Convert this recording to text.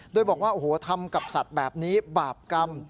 โดยบอกว่าโอ้โหทำกับสัตว์แบบนี้บาปกรรม